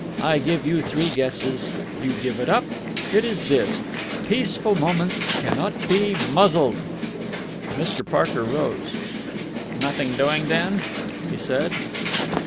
I give you three guesses. You give it up? It is this: 'Peaceful Moments cannot be muzzled!'" Mr. Parker rose. "Nothing doing, then?" he said.